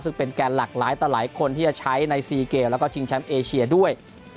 ซึ่งเป็นแกนหลากหลายต่อหลายคนที่จะใช้ใน๔เกมแล้วก็ชิงแชมป์เอเชียด้วย